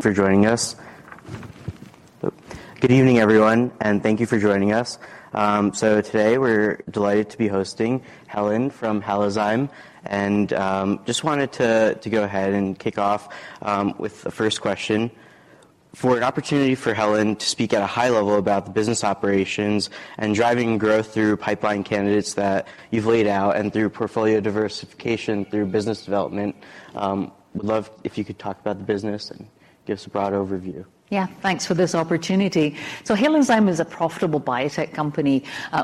For joining us. Good evening, everyone, and thank you for joining us. Today we're delighted to be hosting Helen from Halozyme, and just wanted to go ahead and kick off with the first question. For an opportunity for Helen to speak at a high level about the business operations and driving growth through pipeline candidates that you've laid out and through portfolio diversification through business development, would love if you could talk about the business and give us a broad overview. Yeah. Thanks for this opportunity. Halozyme is a profitable biotech company.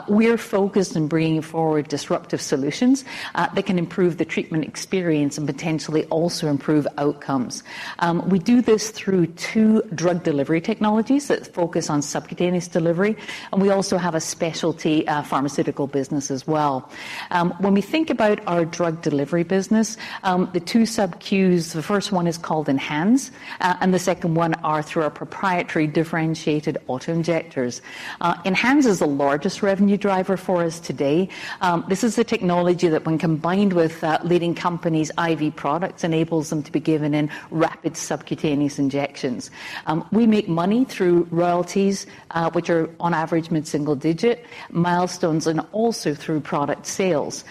We're focused on bringing forward disruptive solutions that can improve the treatment experience and potentially also improve outcomes. We do this through two drug delivery technologies that focus on subcutaneous delivery, and we also have a specialty pharmaceutical business as well. When we think about our drug delivery business, the two sub Qs, the first one is called ENHANZE, and the second one are through our proprietary differentiated auto-injectors. ENHANZE is the largest revenue driver for us today. This is the technology that when combined with leading companies' IV products, enables them to be given in rapid subcutaneous injections. We make money through royalties, which are on average mid-single digit, milestones, and also through product sales.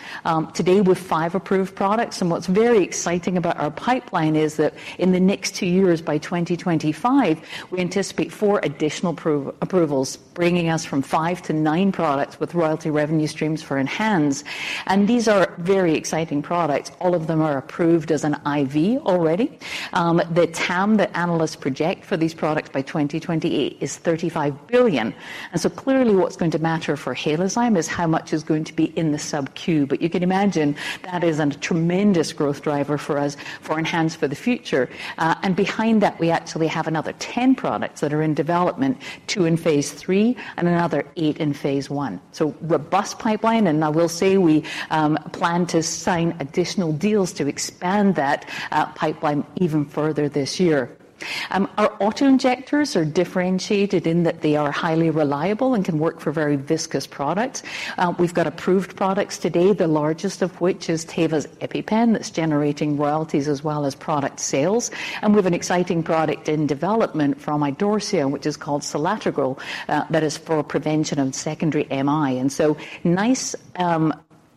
Today with five approved products and what's very exciting about our pipeline is that in the next two years, by 2025, we anticipate four additional approvals, bringing us from five to nine products with royalty revenue streams for ENHANZE. These are very exciting products. All of them are approved as an IV already. The TAM that analysts project for these products by 2028 is $35 billion. Clearly what's going to matter for Halozyme is how much is going to be in the subQ. You can imagine that is a tremendous growth driver for us, for ENHANZE for the future. Behind that, we actually have another 10 products that are in development, two in phase III and another eight in phase I. Robust pipeline, and I will say we plan to sign additional deals to expand that pipeline even further this year. Our auto-injectors are differentiated in that they are highly reliable and can work for very viscous products. We've got approved products today, the largest of which is Teva's EpiPen, that's generating royalties as well as product sales. We have an exciting product in development from Idorsia, which is called selatogrel, that is for prevention of secondary MI. Nice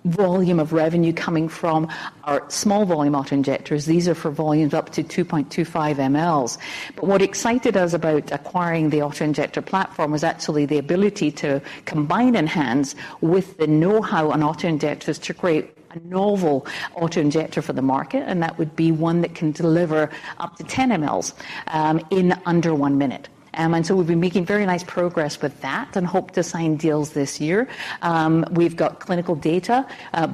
volume of revenue coming from our small volume auto-injectors. These are for volumes up to 2.25 mLs. What excited us about acquiring the auto-injector platform was actually the ability to combine ENHANZE with the know-how on auto-injectors to create a novel auto-injector for the market, and that would be one that can deliver up to 10 mL in under one minute. We've been making very nice progress with that and hope to sign deals this year. We've got clinical data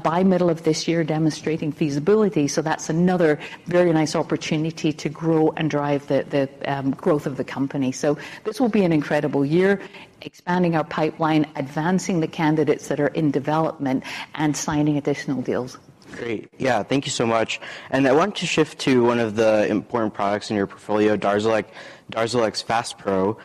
by middle of this year demonstrating feasibility, so that's another very nice opportunity to grow and drive the growth of the company. This will be an incredible year expanding our pipeline, advancing the candidates that are in development and signing additional deals. Great. Yeah. Thank you so much. I want to shift to one of the important products in your portfolio, DARZALEX. DARZALEX FASPRO,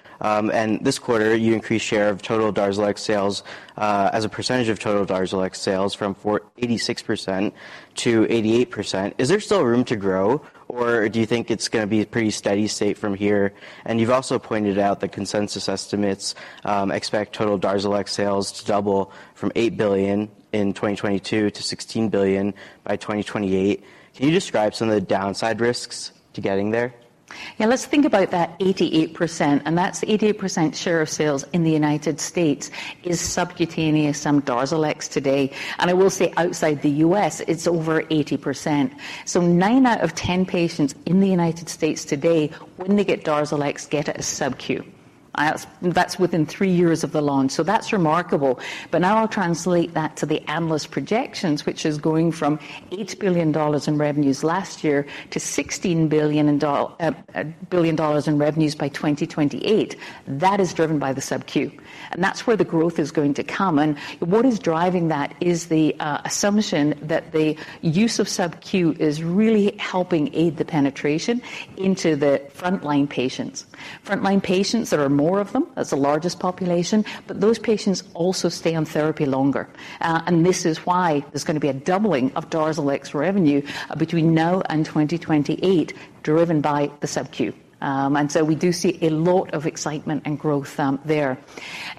this quarter, you increased share of total DARZALEX sales as a percentage of total DARZALEX sales from 86% to 88%. Is there still room to grow, or do you think it's gonna be a pretty steady state from here? You've also pointed out the consensus estimates expect total DARZALEX sales to double from $8 billion in 2022 to $16 billion by 2028. Can you describe some of the downside risks to getting there? Yeah, let's think about that 88%. That's 88% share of sales in the United States is subQ DARZALEX today. I will say outside the U.S., it's over 80%. nine out of 10 patients in the United States today, when they get DARZALEX, get it as subQ. That's within three years of the launch. That's remarkable. Now I'll translate that to the analyst projections, which is going from $8 billion in revenues last year to $16 billion in revenues by 2028. That is driven by the subQ. That's where the growth is going to come. What is driving that is the assumption that the use of subQ is really helping aid the penetration into the frontline patients. Frontline patients, there are more of them, that's the largest population, but those patients also stay on therapy longer. This is why there's going to be a doubling of DARZALEX revenue between now and 2028 driven by the subQ. We do see a lot of excitement and growth there.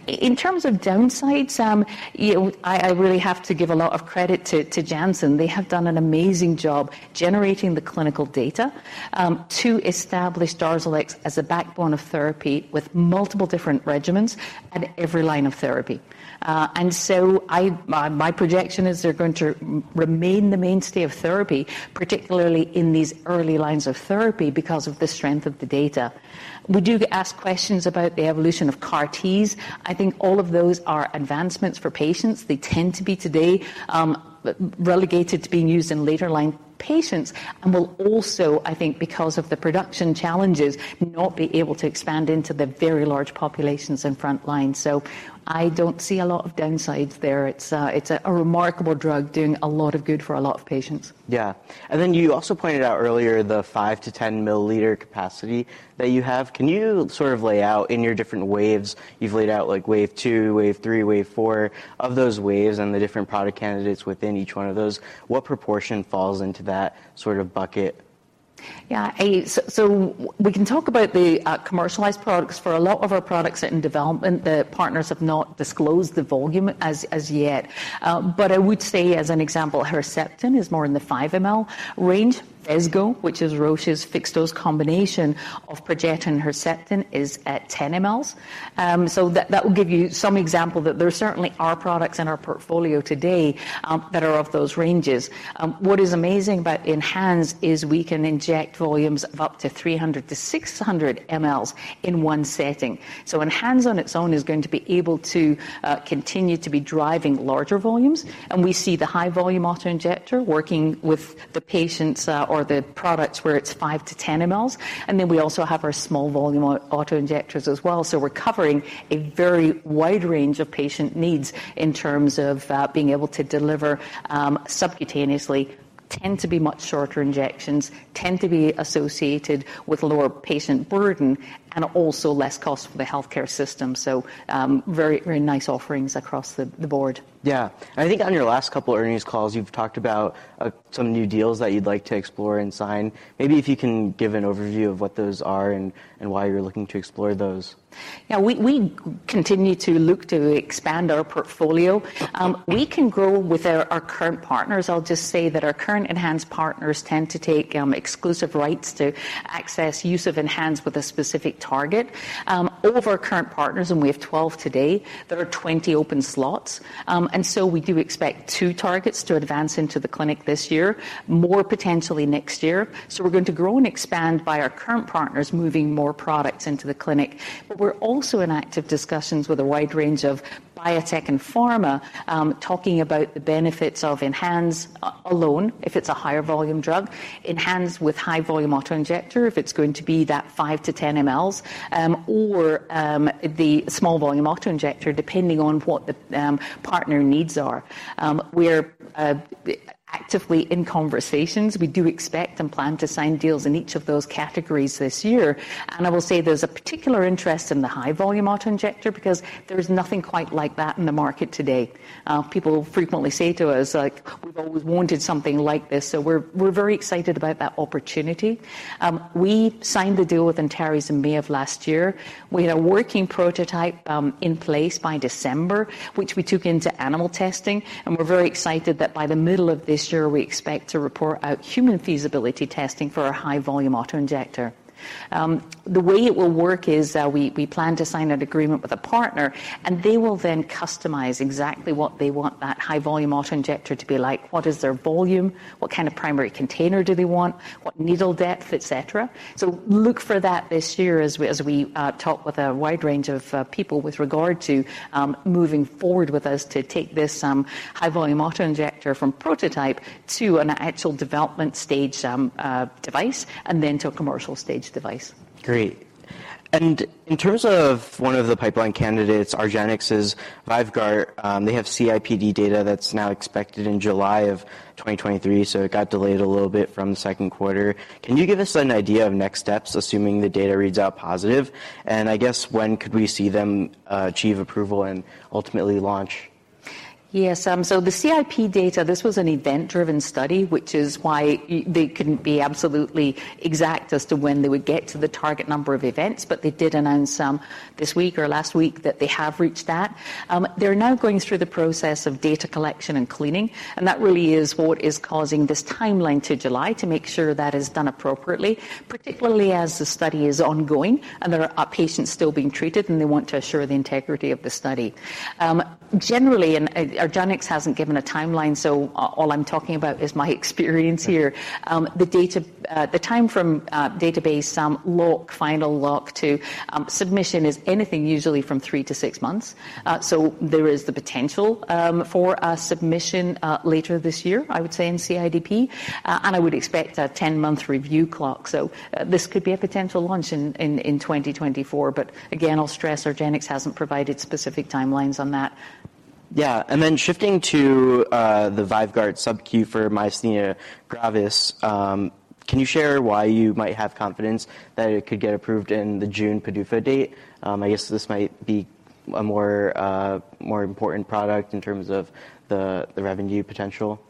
In terms of downsides, you know, I really have to give a lot of credit to Janssen. They have done an amazing job generating the clinical data to establish DARZALEX as a backbone of therapy with multiple different regimens at every line of therapy. My projection is they're going to remain the mainstay of therapy, particularly in these early lines of therapy because of the strength of the data. We do ask questions about the evolution of CAR-Ts. I think all of those are advancements for patients. They tend to be today, relegated to being used in later line patients and will also, I think, because of the production challenges, not be able to expand into the very large populations in front line. I don't see a lot of downsides there. It's a remarkable drug doing a lot of good for a lot of patients. Yeah. Then you also pointed out earlier the 5 to 10 milliliter capacity that you have. Can you sort of lay out in your different waves, you've laid out like Wave 2, Wave 3, Wave 4, of those waves and the different product candidates within each one of those, what proportion falls into that sort of bucket? Yeah, I so we can talk about the commercialized products. For a lot of our products that are in development, the partners have not disclosed the volume as yet. I would say as an example, Herceptin is more in the 5 ml range. Phesgo, which is Roche's fixed-dose combination of Perjeta and Herceptin, is at 10 mls. That will give you some example that there certainly are products in our portfolio today that are of those ranges. What is amazing about ENHANZE is we can inject volumes of up to 300 mls-600 mls in one setting. ENHANZE on its own is going to be able to continue to be driving larger volumes. We see the high volume auto-injector working with the patients, or the products where it's 5 to 10 mls, and then we also have our small volume auto-injectors as well. We're covering a very wide range of patient needs in terms of being able to deliver subcutaneously, tend to be much shorter injections, tend to be associated with lower patient burden and also less cost for the healthcare system. Very, very nice offerings across the board. Yeah. I think on your last couple earnings calls, you've talked about some new deals that you'd like to explore and sign. Maybe if you can give an overview of what those are and why you're looking to explore those. Yeah. We continue to look to expand our portfolio. We can grow with our current partners. I'll just say that our current ENHANZE partners tend to take exclusive rights to access use of ENHANZE with a specific target. All of our current partners, and we have 12 today, there are 20 open slots. We do expect two targets to advance into the clinic this year, more potentially next year. We're going to grow and expand by our current partners moving more products into the clinic. We're also in active discussions with a wide range of biotech and pharma, talking about the benefits of ENHANZE alone if it's a higher volume drug, ENHANZE with high volume auto-injector if it's going to be that 5 mls-10 mls, or the small volume auto-injector, depending on what the partner needs are. We're actively in conversations. We do expect and plan to sign deals in each of those categories this year. I will say there's a particular interest in the high volume auto-injector because there's nothing quite like that in the market today. People frequently say to us, like, "We've always wanted something like this." We're very excited about that opportunity. We signed the deal with Antares in May of last year. We had a working prototype in place by December, which we took into animal testing. We're very excited that by the middle of this year, we expect to report out human feasibility testing for our high volume auto-injector. The way it will work is we plan to sign an agreement with a partner, and they will then customize exactly what they want that high volume auto-injector to be like. What is their volume? What kind of primary container do they want? What needle depth, et cetera? Look for that this year as we talk with a wide range of people with regard to moving forward with us to take this high volume auto-injector from prototype to an actual development stage device and then to a commercial stage device. Great. In terms of one of the pipeline candidates, argenx's VYVGART, they have CIDP data that's now expected in July of 2023, so it got delayed a little bit from the second quarter. Can you give us an idea of next steps, assuming the data reads out positive? I guess when could we see them achieve approval and ultimately launch? The CIDP data, this was an event-driven study, which is why they couldn't be absolutely exact as to when they would get to the target number of events. They did announce this week or last week that they have reached that. They're now going through the process of data collection and cleaning. That really is what is causing this timeline to July to make sure that is done appropriately, particularly as the study is ongoing. There are patients still being treated. They want to assure the integrity of the study. Generally, argenx hasn't given a timeline. All I'm talking about is my experience here. The time from database lock, final lock to submission is anything usually from 3 to 6 months. There is the potential for a submission later this year, I would say in CIDP. I would expect a 10-month review clock. This could be a potential launch in 2024. Again, I'll stress argenx hasn't provided specific timelines on that. Yeah. Shifting to the VYVGART subQ for myasthenia gravis, can you share why you might have confidence that it could get approved in the June PDUFA date? I guess this might be a more important product in terms of the revenue potential?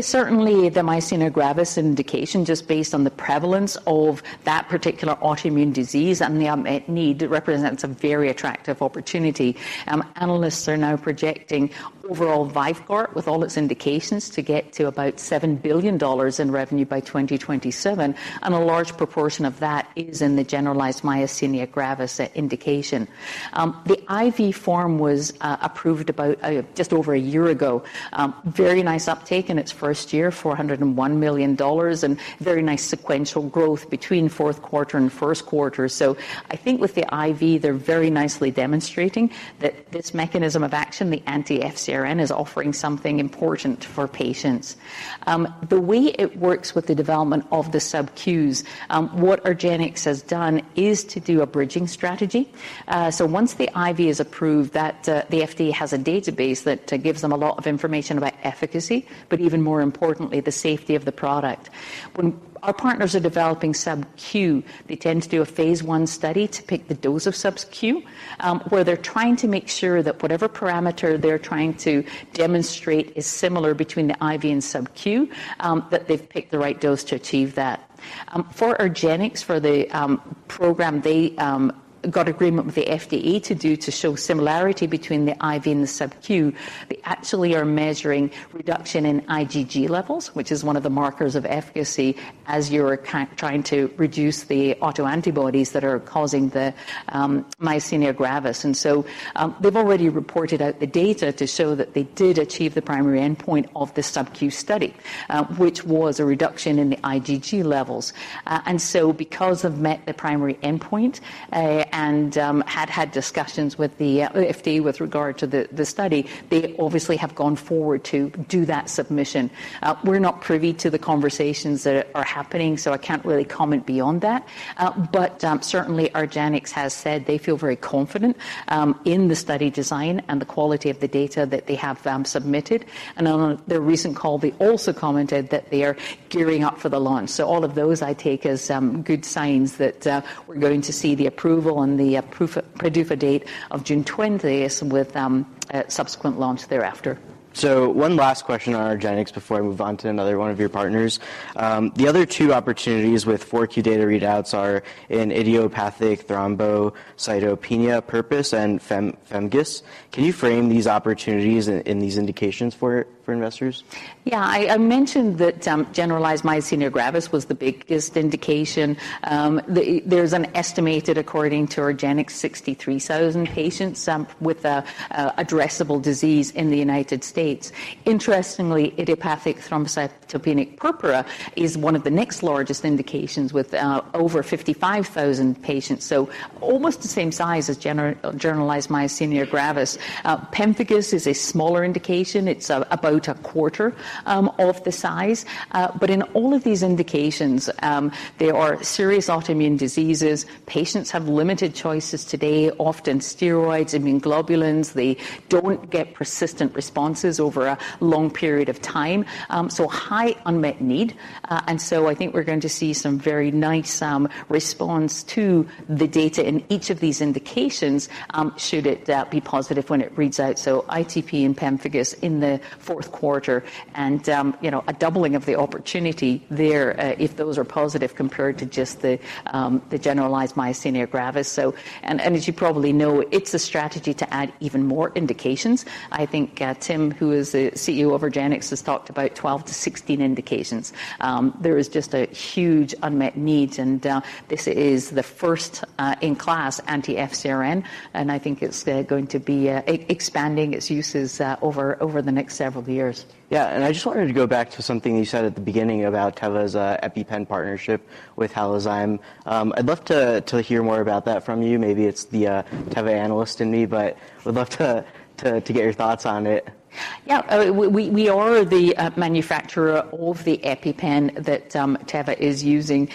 Certainly the myasthenia gravis indication, just based on the prevalence of that particular autoimmune disease and the need, it represents a very attractive opportunity. Analysts are now projecting overall VYVGART with all its indications to get to about $7 billion in revenue by 2027, and a large proportion of that is in the generalized myasthenia gravis indication. The IV form was approved about just over a year ago. Very nice uptake in its first year, $401 million, and very nice sequential growth between fourth quarter and first quarter. I think with the IV, they're very nicely demonstrating that this mechanism of action, the anti-FcRn, is offering something important for patients. The way it works with the development of the sub-Qs, what argenx has done is to do a bridging strategy. Once the IV is approved, that, the FDA has a database that gives them a lot of information about efficacy, but even more importantly, the safety of the product. When our partners are developing sub-Q, they tend to do a phase I study to pick the dose of sub-Q, where they're trying to make sure that whatever parameter they're trying to demonstrate is similar between the IV and sub-Q, that they've picked the right dose to achieve that. For argenx, for the program, they got agreement with the FDA to do to show similarity between the IV and the sub-Q. They actually are measuring reduction in IgG levels, which is one of the markers of efficacy as you're trying to reduce the autoantibodies that are causing the myasthenia gravis. They've already reported out the data to show that they did achieve the primary endpoint of the subQ study, which was a reduction in the IgG levels. Because of met the primary endpoint and had discussions with the FDA with regard to the study, they obviously have gone forward to do that submission. We're not privy to the conversations that are happening, so I can't really comment beyond that. But certainly argenx has said they feel very confident in the study design and the quality of the data that they have submitted. And on their recent call, they also commented that they are gearing up for the launch. All of those I take as good signs that we're going to see the approval and the PDUFA date of June 20th with a subsequent launch thereafter. One last question on argenx before I move on to another one of your partners. The other two opportunities with four key data readouts are in idiopathic thrombocytopenic purpura and pemphigus. Can you frame these opportunities in these indications for investors? I mentioned that generalized myasthenia gravis was the biggest indication. There's an estimated, according to argenx, 63,000 patients with a addressable disease in the United States. Interestingly, idiopathic thrombocytopenic purpura is one of the next largest indications with over 55,000 patients. Almost the same size as generalized myasthenia gravis. Pemphigus is a smaller indication. It's about a quarter of the size. In all of these indications, they are serious autoimmune diseases. Patients have limited choices today, often steroids, immunoglobulins. They don't get persistent responses over a long period of time. High unmet need. I think we're going to see some very nice response to the data in each of these indications, should it be positive when it reads out. ITP and pemphigus in the fourth quarter and, you know, a doubling of the opportunity there, if those are positive compared to just the generalized myasthenia gravis. As you probably know, it's a strategy to add even more indications. I think Tim, who is the CEO of argenx, has talked about 12 to 16 indications. There is just a huge unmet need, and this is the first in-class anti-FcRn, and I think it's going to be expanding its uses over the next several years. Yeah. I just wanted to go back to something you said at the beginning about Teva's EpiPen partnership with Halozyme. I'd love to hear more about that from you. Maybe it's the Teva analyst in me, but I'd love to get your thoughts on it. Yeah. We are the manufacturer of the EpiPen that Teva is using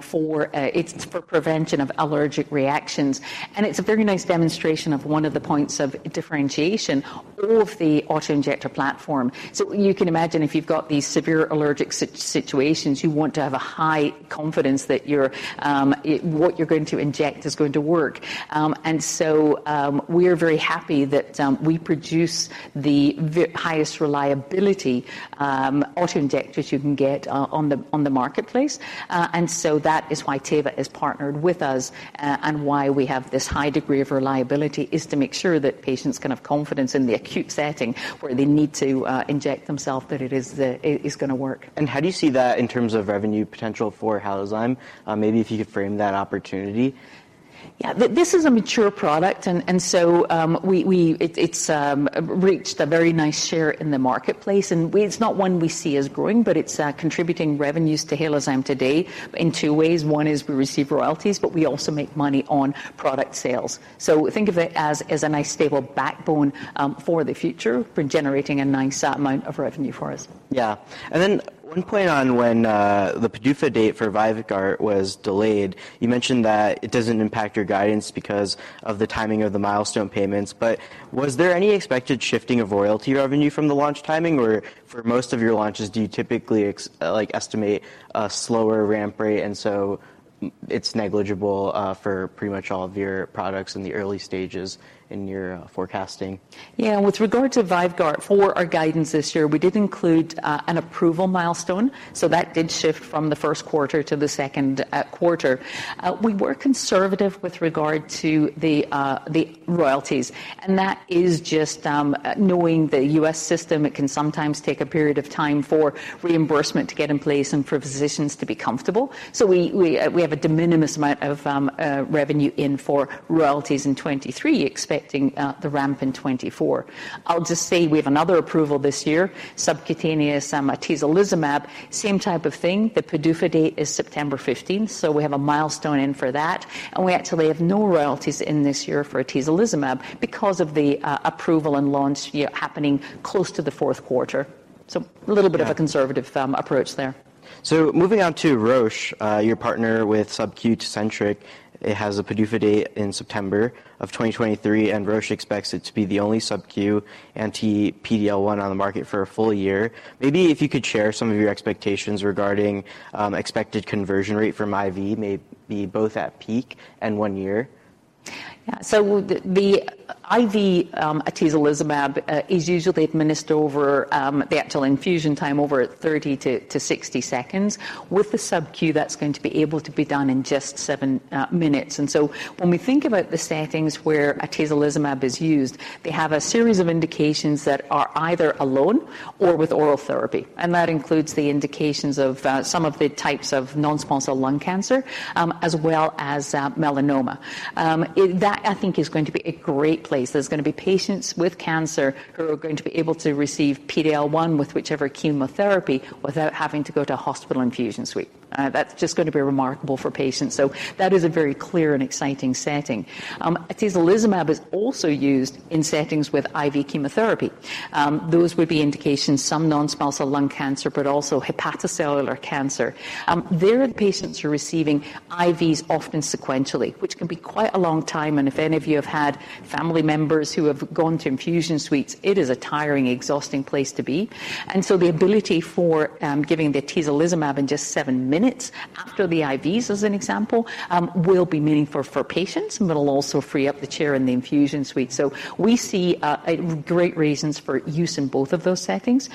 for it's for prevention of allergic reactions. It's a very nice demonstration of one of the points of differentiation of the auto-injector platform. You can imagine if you've got these severe allergic situations, you want to have a high confidence that what you're going to inject is going to work. We are very happy that we produce the highest reliability auto-injectors you can get on the marketplace. That is why Teva is partnered with us and why we have this high degree of reliability, is to make sure that patients can have confidence in the acute setting where they need to inject themselves, that it is it is gonna work. How do you see that in terms of revenue potential for Halozyme? Maybe if you could frame that opportunity. Yeah. This is a mature product and so, it's reached a very nice share in the marketplace, and it's not one we see as growing, but it's contributing revenues to Halozyme today in two ways. One is we receive royalties, but we also make money on product sales. Think of it as a nice stable backbone for the future for generating a nice amount of revenue for us. Yeah. One point on when the PDUFA date for VYVGART was delayed, you mentioned that it doesn't impact your guidance because of the timing of the milestone payments. Was there any expected shifting of royalty revenue from the launch timing, or for most of your launches, do you typically like estimate a slower ramp rate, and so it's negligible for pretty much all of your products in the early stages in your forecasting? Yeah. With regard to VYVGART, for our guidance this year, we did include an approval milestone, so that did shift from the 1st quarter to the 2nd quarter. We were conservative with regard to the royalties. That is just knowing the U.S. system, it can sometimes take a period of time for reimbursement to get in place and for physicians to be comfortable. We have a de minimis amount of revenue in for royalties in 2023, expecting the ramp in 2024. I'll just say we have another approval this year, subcutaneous atezolizumab, same type of thing. The PDUFA date is September 15th, so we have a milestone in for that, and we actually have no royalties in this year for atezolizumab because of the approval and launch year happening close to the 4th quarter. little bit of. Yeah. A conservative, approach there. Moving on to Roche, your partner with subQ Tecentriq, it has a PDUFA date in September 2023, and Roche expects it to be the only subQ anti-PD-L1 on the market for a full year. Maybe if you could share some of your expectations regarding expected conversion rate from IV, maybe both at peak and 1 year. The IV, atezolizumab, is usually administered over the actual infusion time over 30-60 seconds. With the subQ, that's going to be able to be done in just 7 minutes. When we think about the settings where atezolizumab is used, they have a series of indications that are either alone or with oral therapy, and that includes the indications of some of the types of non-small cell lung cancer, as well as melanoma. That, I think, is going to be a great place. There's gonna be patients with cancer who are going to be able to receive PD-L1 with whichever chemotherapy without having to go to a hospital infusion suite. That's just gonna be remarkable for patients. That is a very clear and exciting setting. Atezolizumab is also used in settings with IV chemotherapy. Those would be indications, some non-small cell lung cancer, but also hepatocellular carcinoma. There the patients are receiving IVs often sequentially, which can be quite a long time, and if any of you have had family members who have gone to infusion suites, it is a tiring, exhausting place to be. The ability for giving the atezolizumab in just seven minutes after the IVs, as an example, will be meaningful for patients, but it'll also free up the chair in the infusion suite. We see great reasons for use in both of those settings.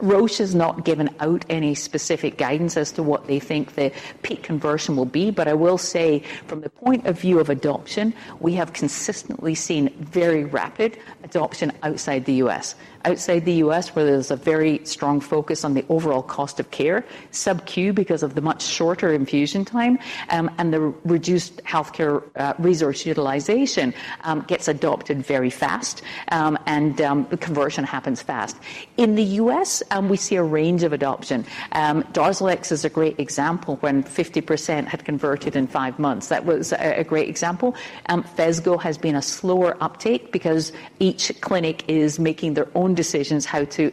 Roche has not given out any specific guidance as to what they think the peak conversion will be, but I will say from the point of view of adoption, we have consistently seen very rapid adoption outside the U.S.. Outside the U.S., where there's a very strong focus on the overall cost of care, subQ, because of the much shorter infusion time, and the reduced healthcare resource utilization, gets adopted very fast, and the conversion happens fast. In the U.S., we see a range of adoption. DARZALEX is a great example when 50% had converted in five months. That was a great example. Phesgo has been a slower uptake because each clinic is making their own decisions how to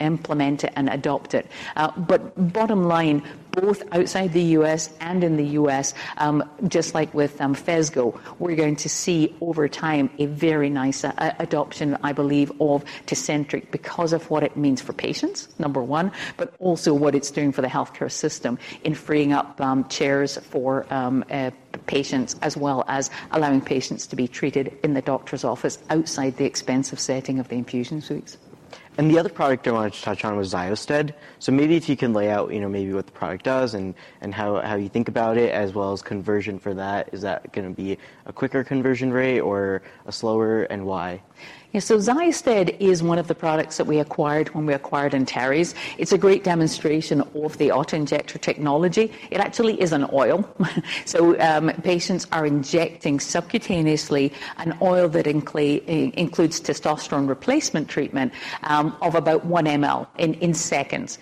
implement it and adopt it. Bottom line, both outside the U.S. and in the U.S., just like with Phesgo, we're going to see over time a very nice adoption, I believe, of Tecentriq because of what it means for patients, number one, but also what it's doing for the healthcare system in freeing up chairs for patients as well as allowing patients to be treated in the doctor's office outside the expensive setting of the infusion suites. The other product I wanted to touch on was XYOSTED. Maybe if you can lay out, you know, maybe what the product does and how you think about it as well as conversion for that. Is that going to be a quicker conversion rate or a slower and why? XYOSTED is one of the products that we acquired when we acquired Antares. It's a great demonstration of the auto-injector technology. It actually is an oil. Patients are injecting subcutaneously an oil that includes testosterone replacement treatment of about 1 ml in seconds.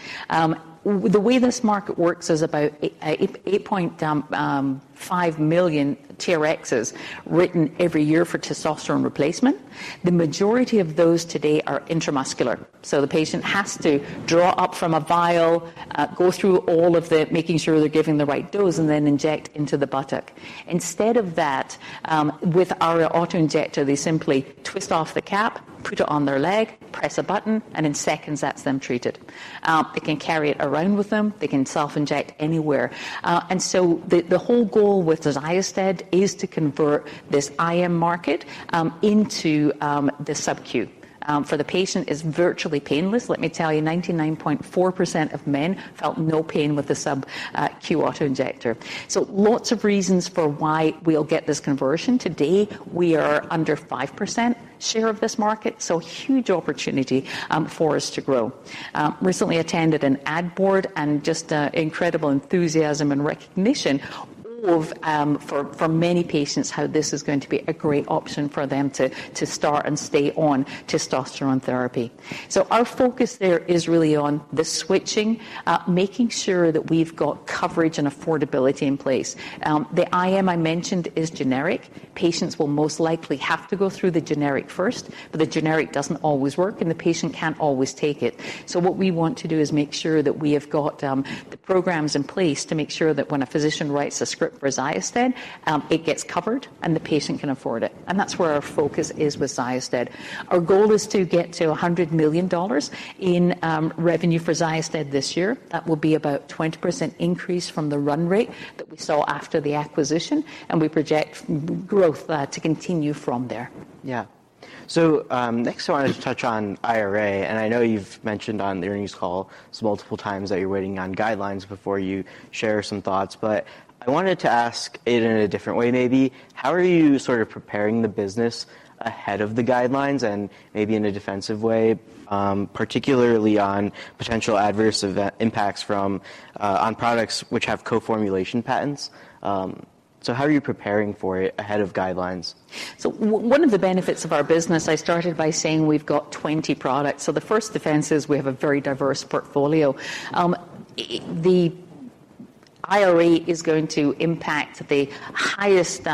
The way this market works is about 8.5 million TRXs written every year for testosterone replacement. The majority of those today are intramuscular. The patient has to draw up from a vial, go through all of the making sure they're giving the right dose, and then inject into the buttock. Instead of that, with our auto-injector, they simply twist off the cap, put it on their leg, press a button, and in seconds, that's them treated. They can carry it around with them. They can self-inject anywhere. The whole goal with XYOSTED is to convert this IM market into the subQ. For the patient, it's virtually painless. Let me tell you, 99.4% of men felt no pain with the sub Q auto-injector. Lots of reasons for why we'll get this conversion. Today, we are under 5% share of this market, so huge opportunity for us to grow. Recently attended an ad board and just incredible enthusiasm and recognition of for many patients how this is going to be a great option for them to start and stay on testosterone therapy. Our focus there is really on the switching, making sure that we've got coverage and affordability in place. The IM I mentioned is generic. Patients will most likely have to go through the generic first, but the generic doesn't always work, and the patient can't always take it. What we want to do is make sure that we have got the programs in place to make sure that when a physician writes a script for XYOSTED, it gets covered and the patient can afford it, and that's where our focus is with XYOSTED. Our goal is to get to $100 million in revenue for XYOSTED this year. That will be about 20% increase from the run rate that we saw after the acquisition, and we project growth to continue from there. Yeah. Next I wanted to touch on IRA, and I know you've mentioned on the earnings call multiple times that you're waiting on guidelines before you share some thoughts. I wanted to ask it in a different way maybe. How are you sort of preparing the business ahead of the guidelines and maybe in a defensive way, particularly on potential adverse event impacts from on products which have co-formulation patents? How are you preparing for it ahead of guidelines? One of the benefits of our business, I started by saying we've got 20 products. The first defense is we have a very diverse portfolio. The IRA is going to impact the highest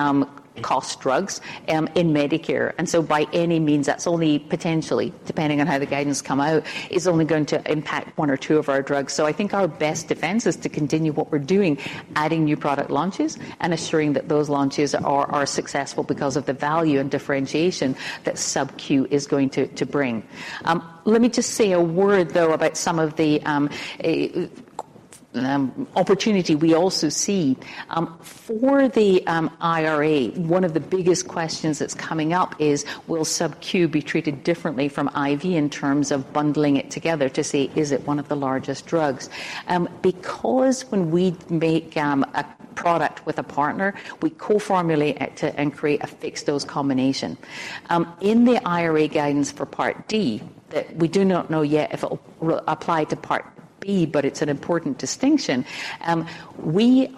cost drugs in Medicare, and so by any means, that's only potentially, depending on how the guidance come out, is only going to impact one or two of our drugs. I think our best defense is to continue what we're doing, adding new product launches and assuring that those launches are successful because of the value and differentiation that subQ is going to bring. Let me just say a word, though, about some of the opportunity we also see. For the IRA, one of the biggest questions that's coming up is will subQ be treated differently from IV in terms of bundling it together to say, "Is it one of the largest drugs?" When we make a product with a partner, we co-formulate it and create a fixed-dose combination. In the IRA guidance for Part D, that we do not know yet if it'll apply to Part B, but it's an important distinction, we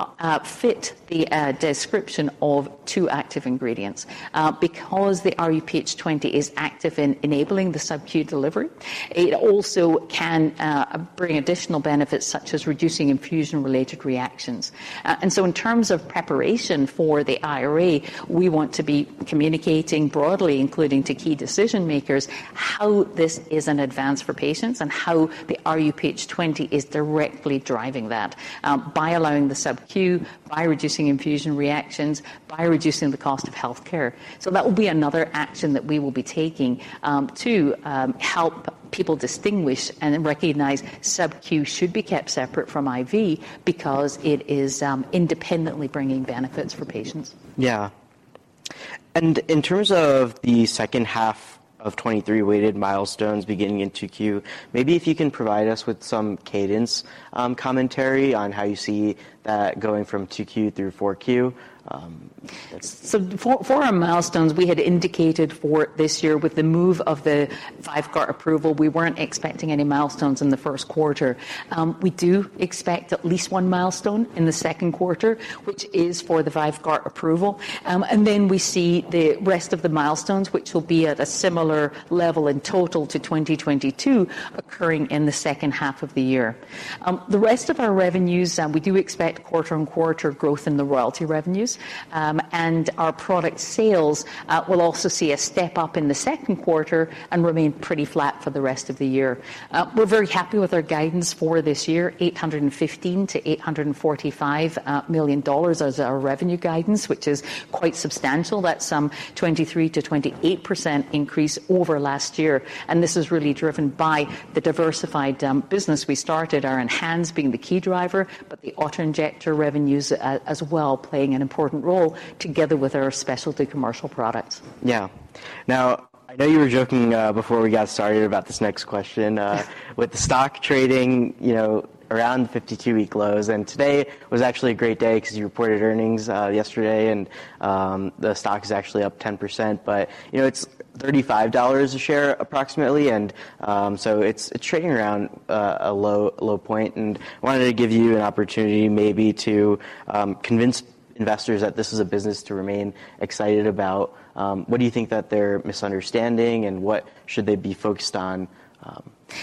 fit the description of two active ingredients. The rHuPH20 is active in enabling the subQ delivery, it also can bring additional benefits, such as reducing infusion-related reactions. In terms of preparation for the IRA, we want to be communicating broadly, including to key decision makers, how this is an advance for patients and how the rHuPH20 is directly driving that, by allowing the subQ, by reducing infusion reactions, by reducing the cost of healthcare. That will be another action that we will be taking, to help people distinguish and then recognize subQ should be kept separate from IV because it is independently bringing benefits for patients. Yeah. In terms of the second half of 2023 weighted milestones beginning in 2Q, maybe if you can provide us with some cadence, commentary on how you see that going from 2Q through 4Q? For our milestones, we had indicated for this year with the move of the VYVGART approval, we weren't expecting any milestones in the first quarter. We do expect at least one milestone in the second quarter, which is for the VYVGART approval. We see the rest of the milestones, which will be at a similar level in total to 2022 occurring in the second half of the year. The rest of our revenues, we do expect quarter-on-quarter growth in the royalty revenues. Our product sales will also see a step-up in the second quarter and remain pretty flat for the rest of the year. We're very happy with our guidance for this year, $815 million-$845 million as our revenue guidance, which is quite substantial. That's some 23%-28% increase over last year. This is really driven by the diversified business we started, our ENHANZE being the key driver, but the auto-injector revenues as well playing an important role together with our specialty commercial products. Yeah. Now, I know you were joking before we got started about this next question. With the stock trading, you know, around 52-week lows, and today was actually a great day 'cause you reported earnings yesterday and the stock is actually up 10%. You know, it's $35 a share approximately, and so it's trading around a low, low point. Wanted to give you an opportunity maybe to convince investors that this is a business to remain excited about. What do you think that they're misunderstanding, and what should they be focused on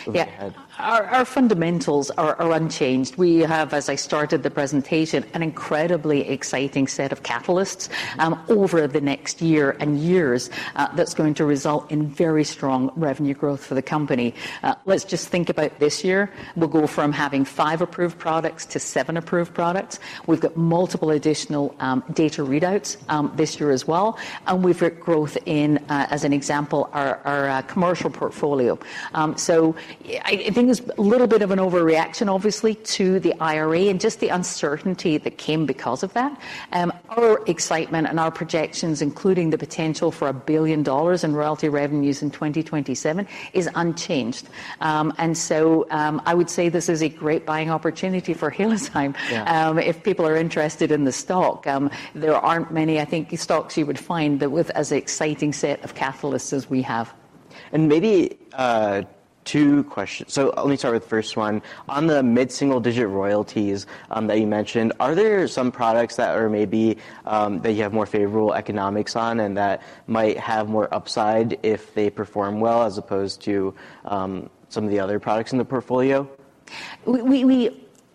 going ahead? Our fundamentals are unchanged. We have, as I started the presentation, an incredibly exciting set of catalysts over the next year and years that's going to result in very strong revenue growth for the company. Let's just think about this year. We'll go from having five approved products to seven approved products. We've got multiple additional data readouts this year as well, and we've got growth in as an example, our commercial portfolio. I think it's a little bit of an overreaction, obviously, to the IRA and just the uncertainty that came because of that. Our excitement and our projections, including the potential for $1 billion in royalty revenues in 2027, is unchanged. I would say this is a great buying opportunity for Halozyme. Yeah. If people are interested in the stock, there aren't many, I think, stocks you would find that with as exciting set of catalysts as we have. Maybe two questions. Let me start with the first one. On the mid-single-digit royalties that you mentioned, are there some products that are maybe that you have more favorable economics on and that might have more upside if they perform well as opposed to some of the other products in the portfolio?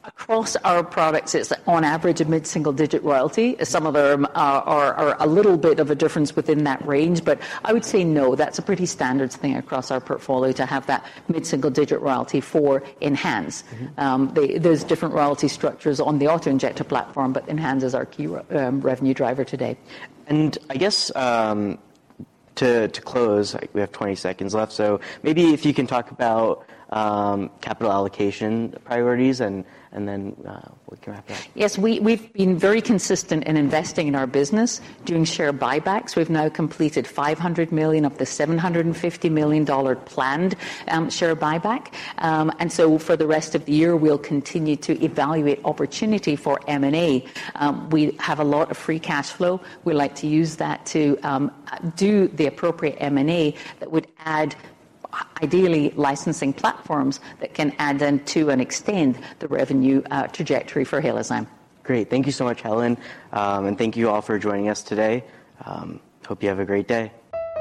Across our products, it's on average a mid-single-digit royalty. Some of them are a little bit of a difference within that range, but I would say no, that's a pretty standard thing across our portfolio to have that mid-single-digit royalty for ENHANZE. Mm-hmm. There's different royalty structures on the auto-injector platform. ENHANZE is our key revenue driver today. I guess, to close, like, we have 20 seconds left, so maybe if you can talk about capital allocation priorities and then what can wrap it up. Yes. We've been very consistent in investing in our business, doing share buybacks. We've now completed $500 million of the $750 million planned share buyback. For the rest of the year, we'll continue to evaluate opportunity for M&A. We have a lot of free cash flow. We like to use that to do the appropriate M&A that would add ideally licensing platforms that can add then to and extend the revenue trajectory for Halozyme. Great. Thank you so much, Helen. Thank you all for joining us today. Hope you have a great day.